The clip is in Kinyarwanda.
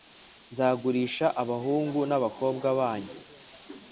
Nzagurisha abahungu n’abakobwa banyu